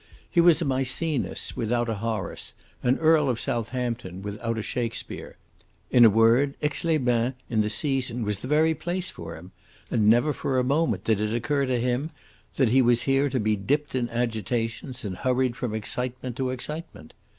He was a Maecenas without a Horace, an Earl of Southampton without a Shakespeare. In a word, Aix les Bains in the season was the very place for him; and never for a moment did it occur to him that he was here to be dipped in agitations, and hurried from excitement to excitement.